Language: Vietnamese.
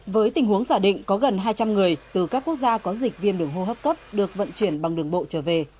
với tình huống giả định có gần hai trăm linh người từ các quốc gia có dịch viêm đường hô hấp cấp được vận chuyển bằng đường bộ trở về